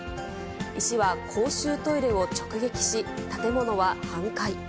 石は公衆トイレを直撃し、建物は半壊。